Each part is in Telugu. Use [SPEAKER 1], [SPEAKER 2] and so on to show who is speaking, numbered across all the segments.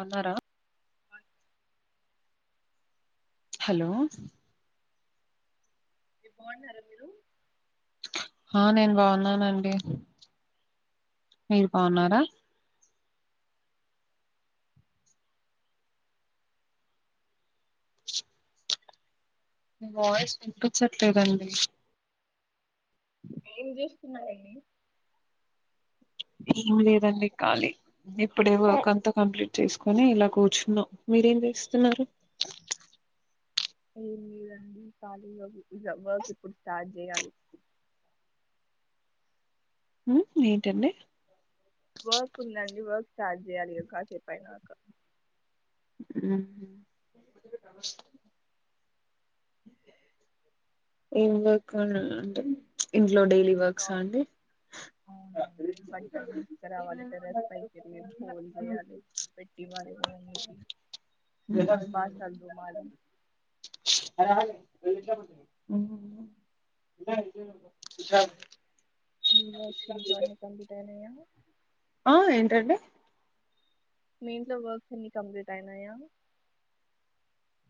[SPEAKER 1] అన్నారా హలో
[SPEAKER 2] మీ బాగున్నారా మీరు
[SPEAKER 1] ఆ నేను బాగున్నానండి మీరు బాగున్నారా మీ వాయిస్ వినిపించట్లేదండి
[SPEAKER 2] ఏం చేస్తున్నారండి
[SPEAKER 1] ఏం లేదండి ఖాలీ ఇప్పుడే వర్క్ అంతా కంప్లీట్ చేసుకొని ఇలా కూర్చున్నాం మీరేం చేస్తున్నారు
[SPEAKER 2] ఏం లేదండి ఖాళీగా కూర్చున్న వర్క్ ఇప్పుడు స్టార్ట్ చేయాలి
[SPEAKER 1] ఉమ్ ఏంటండి
[SPEAKER 2] వర్క్ ఉందండి వర్క్ స్టార్ట్ చేయాలి కాసేపు అయ్యాక
[SPEAKER 1] ఉమ్ హూ ఇందాకనా అంటే ఇంట్లో డైలీ
[SPEAKER 2] అ
[SPEAKER 1] వర్క్సా అండి
[SPEAKER 2] అవునండి బట్టలు తిస్కారావాలి టెర్రస్ పైకెల్లి ఫోల్డ్ చేయాలి పెట్టి ఇవ్వాలి మా మమ్మీ కి బాసల్లు తోమాలి
[SPEAKER 1] ఉమ్ ఉ
[SPEAKER 2] మీ వర్క్స్ ఇంట్లో అన్ని కంప్లీట్ అయినాయ
[SPEAKER 1] ఆ ఏంటండి
[SPEAKER 2] మీ ఇంట్లో వర్క్స్ అన్ని కంప్లీట్ అయినాయా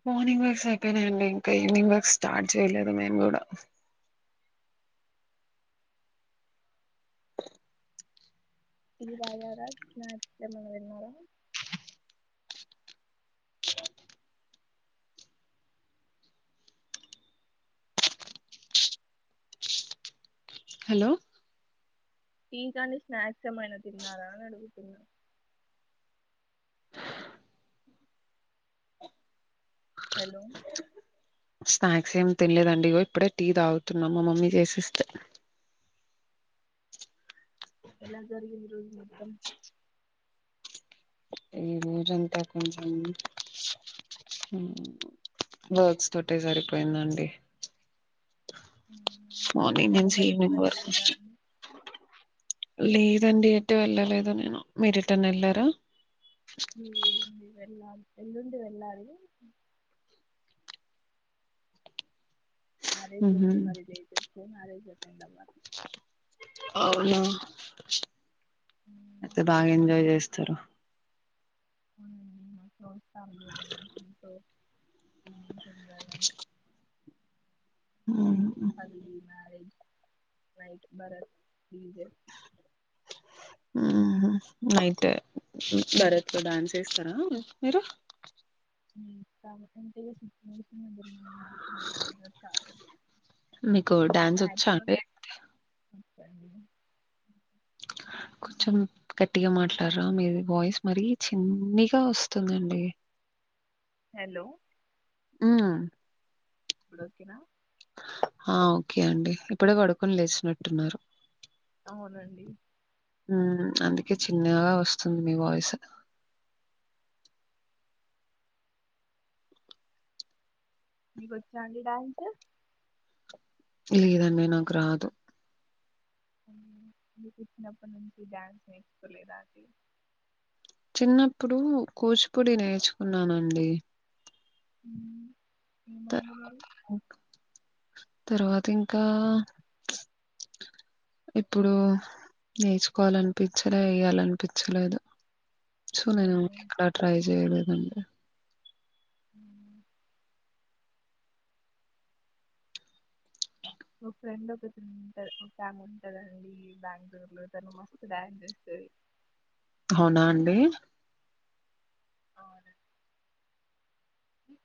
[SPEAKER 1] మార్నింగ్ వర్క్స్ అయిపోయినాయండి ఇంకా ఈవినింగ్ వర్క్ స్టార్ట్ చేయలేదు మేము కూడా
[SPEAKER 2] టీ తాగారా స్నాక్స్ ఎమన్న తిన్నార
[SPEAKER 1] హలో
[SPEAKER 2] టీ కానీ స్నాక్స్ ఏమైనా తిన్నారా అని అడుగుతున్నా హలో
[SPEAKER 1] స్నాక్స్ ఏమి తినలేదండి ఇగో ఇప్పుడే టీ తాగుతున్నా మా మమ్మీ చేసిస్తే
[SPEAKER 2] ఎలా జరిగింది రోజు మొత్తం
[SPEAKER 1] ఈ రోజంతా కొంచెం ఉమ్ వర్క్స్ తోటే సరిపోయిందండి
[SPEAKER 2] ఉమ్, అంటే
[SPEAKER 1] మార్నింగ్
[SPEAKER 2] అలా
[SPEAKER 1] నుంచి
[SPEAKER 2] బయటికి
[SPEAKER 1] ఈవినింగ్ వరకు
[SPEAKER 2] వెళ్ళలేదా అండి
[SPEAKER 1] లేదండి ఎటు వెళ్ళలేదు నేను మీరు ఎటైన ఎళ్లారా
[SPEAKER 2] లేదండి వెళ్లాలి ఏల్లుండి వెళ్లాలి మ్యారేజ్
[SPEAKER 1] ఉహు
[SPEAKER 2] ఉంది మా రిలేటీవ్స్ మ్యారే [unintelligible]
[SPEAKER 1] అవునా
[SPEAKER 2] ఉమ్,
[SPEAKER 1] అయితే బాగా ఎంజాయ్ చేస్ తరు
[SPEAKER 2] ఉమ్ సో ఫ్యామిలీ అండ్ [inaudible] తో ఉమ్ [unintelligible]
[SPEAKER 1] ఉమ్
[SPEAKER 2] haldi marriage night baraat DJ
[SPEAKER 1] um హూ నైట్ బరత్ లో డ్యాన్స్ చేస్తారా మీరు
[SPEAKER 2] ఉమ్ [unintelligible]
[SPEAKER 1] మీకు డ్యాన్స్
[SPEAKER 2] మాక్సిమం
[SPEAKER 1] వచ్చాండి.
[SPEAKER 2] వచ్చండి
[SPEAKER 1] కొంచెం గట్టిగా మాట్లాడరా మీది వాయిస్ మరీ చిన్నిగా వస్తుందండి.
[SPEAKER 2] హలో
[SPEAKER 1] ఆ
[SPEAKER 2] ఎప్పుడు ఓకేనా
[SPEAKER 1] ఆ ఓకే అండి ఇప్పుడే పడుకొని లేచినట్టున్నారు.
[SPEAKER 2] అవునండి
[SPEAKER 1] ఉ అందుకే చిన్నగా వస్తుంది మీ వాయిసు
[SPEAKER 2] మీకొచ్చాండి డాన్స్
[SPEAKER 1] లేదండి నాకు రాదు
[SPEAKER 2] హ్మ్ మీరు పుట్టినప్పటినుంచి డ్యాన్స్ నేర్చుకోలేదా అండి
[SPEAKER 1] చిన్నప్పుడు కూచిపూడి నేర్చుకున్నానండి.
[SPEAKER 2] హ్మ్
[SPEAKER 1] తర్వా
[SPEAKER 2] ఏమైంది మరీ
[SPEAKER 1] తర్వాత ఇంకా ఇప్పుడు నేర్చుకోవాలనిపించలే వేయాలనిపించలేదు. సొ నేను
[SPEAKER 2] అయ్యో
[SPEAKER 1] ఎక్కడ ట్రై చేయలే అయ్యా
[SPEAKER 2] మ్ ఒక ఫ్రెండ్ ఒకతి ఉంటది ఒక టైమ్ ఉంటదండి బెంగళూరు లో తను మస్తు డ్యాన్స్ ఏస్తది.
[SPEAKER 1] అవునా అండి
[SPEAKER 2] అవునండి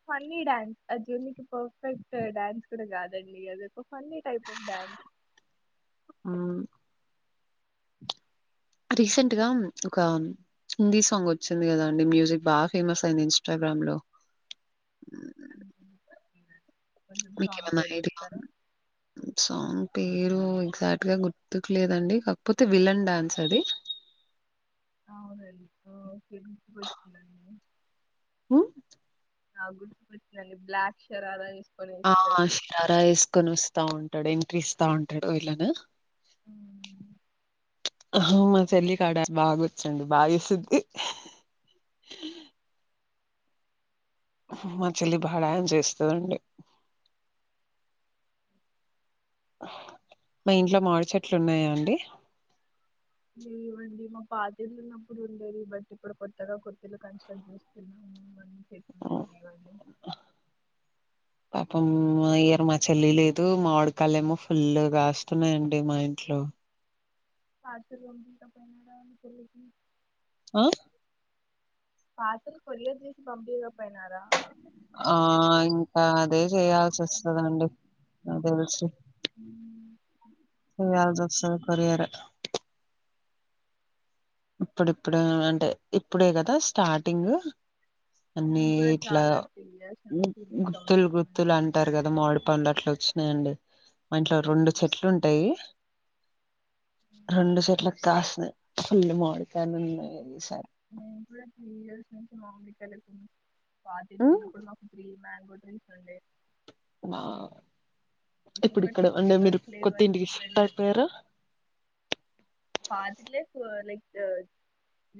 [SPEAKER 2] ఫన్నీ డ్యాన్స్ అ జనీకి పర్ఫెక్ట్ డ్యాన్స్ కూడా కాదండి అది ఫన్నీ టైప్ ఆఫ్ డాన్స్.
[SPEAKER 1] ఆ
[SPEAKER 2] అ [unintelligible]
[SPEAKER 1] రీసెంట్ గా ఒక హిందీ సాంగ్ వచ్చింది కదా అండి మ్యూజిక్ బాగా ఫేమస్ అయింది ఇన్స్టాగ్రామ్ లో
[SPEAKER 2] అ [unintelligible]
[SPEAKER 1] మీకేమన్న ఐడియా ఉందా సాంగ్ పేరు ఎగ్జాక్ట్ గా గుర్తుకు లేదండి కాకపోతే విలన్ డాన్స్ అది.
[SPEAKER 2] అవునండి ఓకే గుర్తుకొచ్చిందండి
[SPEAKER 1] హ్మ్
[SPEAKER 2] ఆ గుర్తుకొచ్చిందండి బ్లాక్ షరరా వేస్
[SPEAKER 1] ఆ శరారా వేసుకొని వస్తా ఉం ంటడు ఎంట్రీ ఇస్తా ఉంటడు విలన్
[SPEAKER 2] అవునండి
[SPEAKER 1] ఆ మా చెల్లి కా ఆ డా బాగొచ్చండి బాగేసిద్ధి. మా చెల్లి బా డాన్స్ చేస్తదండి. మీ ఇంట్లో మావిడి చెట్లున్నయా అండి.
[SPEAKER 2] లేవండి మా పాతిల్లు ఉన్నప్పుడు ఉండేది బట్ ఇప్పుడు కొత్తగా కొత్తిళ్లు కన్స్ట్రక్ట్ చేస్తున్నాము మామిడి చెట్లు పం
[SPEAKER 1] హ్మ్.
[SPEAKER 2] లేవండి.
[SPEAKER 1] పాపం మా ఇయర్ మా చెల్లి లేదు మావిడి పల్లెమో ఏమో ఫుల్లుగా కాస్తున్నాయండి మా ఇంట్లో.
[SPEAKER 2] పార్సెల్ పంపిచపోయినార మీ చెల్లికి
[SPEAKER 1] ఆ
[SPEAKER 2] పార్సెల్ కొరియర్ చేసి పంపియకపోయినార
[SPEAKER 1] ఆ ఇంకా అదే చేయాల్సి వస్తదండి నా తెలిసి చేయాల్సొస్తది కొరియరే ఇప్పుడిప్పుడు అంటే ఇప్పుడే కదా స్టార్టింగ్ అన్ని
[SPEAKER 2] నేను కూడా
[SPEAKER 1] ఇట్లా
[SPEAKER 2] చాలా త్రీ ఇయర్స్
[SPEAKER 1] గు
[SPEAKER 2] నుంచి మిస్
[SPEAKER 1] గుత్తులు
[SPEAKER 2] అవుతున్నామండి
[SPEAKER 1] గుత్తులు అంటారు కదా
[SPEAKER 2] నాకు
[SPEAKER 1] మామిడి పండ్లు అట్ల వచ్చినయండి. మా ఇంట్లో రెండు చెట్లు
[SPEAKER 2] చాలా-
[SPEAKER 1] ఉంటాయి రెండుచెట్ల కాస్నై ఫుల్ మామిడి కైల్ ఉన్నాయి. ఈసారి
[SPEAKER 2] నేన్ కూడా కూడ త్రీ ఇయర్స్ నుంచి మామిడి కాయలు తినలేద వార్డెన్
[SPEAKER 1] ఉమ్,
[SPEAKER 2] ఉన్నప్పుడు మాకు ఫీ మ్యాన్గో జ్యూస్ ఉండే
[SPEAKER 1] వావ్
[SPEAKER 2] ఒక్కొక్కటి
[SPEAKER 1] ఇప్పుడుక్కడ అంటే
[SPEAKER 2] ఒక్కొక్క
[SPEAKER 1] మీరు కొత్త
[SPEAKER 2] ఫ్లేవర్
[SPEAKER 1] ఇంటికి షిఫ్ట్ అయిపోయరా
[SPEAKER 2] పతిల్లే లైక్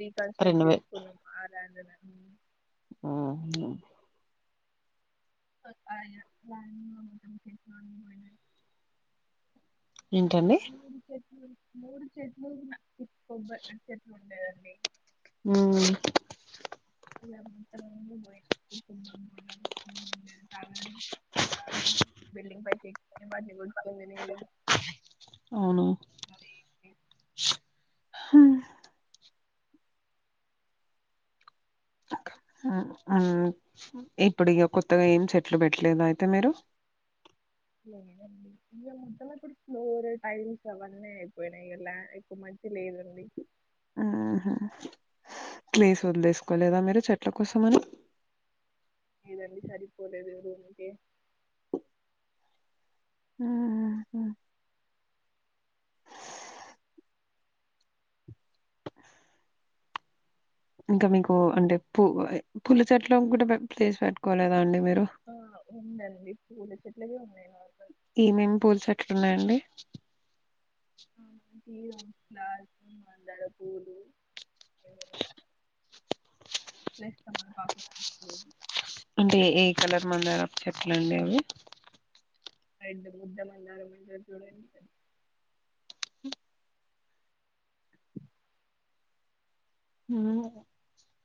[SPEAKER 2] రీకన్స్ట్రక్ట్
[SPEAKER 1] రెండు
[SPEAKER 2] చేసుకున్నాం [unintelligible] అ
[SPEAKER 1] ఆ
[SPEAKER 2] [inaudible]
[SPEAKER 1] ఏంటండి
[SPEAKER 2] మూడు మూడు చెట్లు కొబ్బర్ చెట్లు ఉండేదండి
[SPEAKER 1] హమ్
[SPEAKER 2] ఇ మయతున్నా కాద బిల్డింగ్ పైకి ఏ మాటి కొనుకుంది నిధి [unintelligible]
[SPEAKER 1] అవును హమ్ ఆ ఆ ఇప్పుడు ఇక కొత్తగా ఏం చెట్లు పెట్టలేదు అయితే మీరు
[SPEAKER 2] ఇ మొత్త కూడా లోరు టైల్స్ అవన్న అయిపోయినాయి ఇలా ఎక్కువ మంచి లేదండి
[SPEAKER 1] ఆహా ప్లీస్ వదులేసుకోలేదా మీరు చెట్ల కోసం అని
[SPEAKER 2] ఏనడి సారిపోలేదు రూక
[SPEAKER 1] ఆ ఇంకా మీకు అంటే పూ పుల చెట్లు కూడా ప్లేస్ పెట్టుకోలేదా అండి మీరు
[SPEAKER 2] ఆ ఉందండి పూడ చెట్లే ఉన్నాయి మా
[SPEAKER 1] ఏమేం పూల చెట్లు వున్నాయండి
[SPEAKER 2] తీ అందడ మందర పులు [unintelligible]
[SPEAKER 1] అంటే ఏ ఏ కలర్ మందర చెట్లండి అవి
[SPEAKER 2] రెడ్ ముద్ద మందరం అంటారు చూడండి ఆది
[SPEAKER 1] హమ్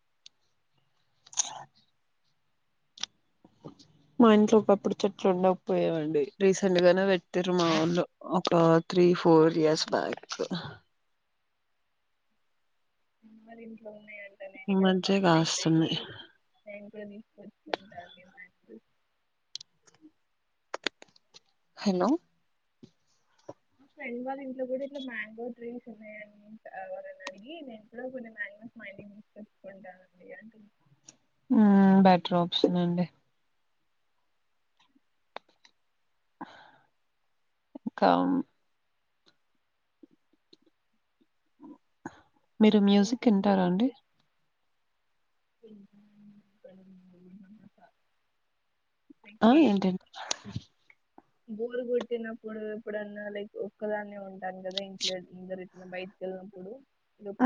[SPEAKER 1] మా ఇంట్లో ఒకప్పుడు చెట్లు ఉండకపోయామండి రీసెంట్ గానే పెట్టారు మా ఊళ్లు ఒక త్రీ ఫోర్ ఇయర్స్ బ్యాక్
[SPEAKER 2] అ మరి ఇంట్లో వున్నాయండి
[SPEAKER 1] ఈ మధ్య కాస్తున్నాయ్
[SPEAKER 2] హ్మ్
[SPEAKER 1] హలో
[SPEAKER 2] ఫ్రెండ్ వాళ్ళ ఇంట్లో కూడా ఇట్లా మ్యాంగో ట్రీస్ ఉన్నాయని వాళ్ళని అడిగి నేను కూడా కొన్నీ మాంగోస్ మా ఇంటికి తీసుకొచ్చుకుంటాను అండి అంటు
[SPEAKER 1] ఆ బెటర్ ఆప్షన్ అండి కామ్ మీరు మ్యూజిక్ ఇంటారా అండి
[SPEAKER 2] [unintelligible]
[SPEAKER 1] ఆ
[SPEAKER 2] ఏం
[SPEAKER 1] ఏంటండి?
[SPEAKER 2] బోరు కొట్టినప్పుడు ఎప్పుడన్నా లైక్ ఒక్కదాన్నే ఉంటాను కదా ఇంట్లో ఇందరు ఇట్లా బయటకి వెళ్ళినప్పుడు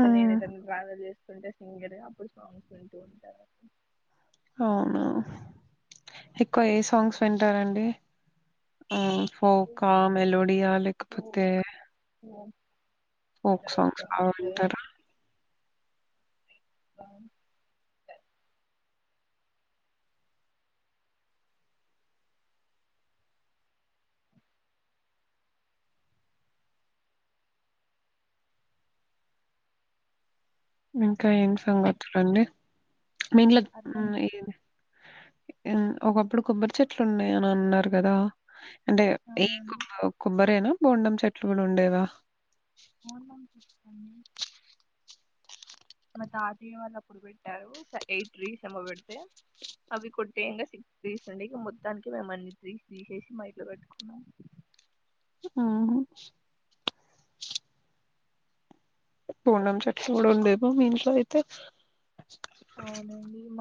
[SPEAKER 1] ఆ!
[SPEAKER 2] నేను ఏదన్నా ట్రావెల్ చే సుంటే సింగరే అప్పుడు స్ట్రాంగ్ వింటూ ఉంటా
[SPEAKER 1] అవునా ఎక్కువ ఏ సాంగ్స్ వింటారండి ఫోకా మెలోడియా లేకపోతే
[SPEAKER 2] అ
[SPEAKER 1] ఫోక్ సాంగ్స్ బాగ వింటారా
[SPEAKER 2] అ
[SPEAKER 1] ఇంకా ఏం సంగతులండి మెయిన్ల
[SPEAKER 2] అర్థం
[SPEAKER 1] హ్మ్ ఏది ఒకప్పుడు కొబ్బరి చెట్లు ఉన్నాయని అన్నారు కదా అంటే ఏ
[SPEAKER 2] అవునండి
[SPEAKER 1] కొబ్బ కొబ్బరేనా బోండం చెట్లు కూడా ఉండేవా
[SPEAKER 2] అవును మా తాతయ వాళ్ళు అప్పుడు పెట్టారు ఎయిట్ ట్రీస్ ఏమో పెడితే అవి కొట్టేయంగా సిక్స్ ట్రీస్ ఉండే మొత్తానికి మేము అన్ని ట్రీస్ తీసేసి మ ఇట్లో పెట్టుకున్నాం.
[SPEAKER 1] ఆ బోండం చెట్లు గూడా ఉండేవా మీ ఇంట్లో అయితే
[SPEAKER 2] అవునండి మా